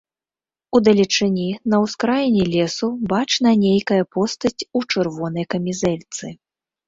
Удалечыні, на ўскраіне лесу бачная нейкая постаць у чырвонай камізэльцы.